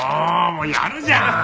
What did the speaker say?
もうやるじゃん！